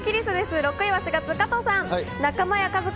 ６位は４月、加藤さん。